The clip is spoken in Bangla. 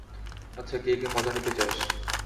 আচ্ছা, কে কে মজা নিতে চাস?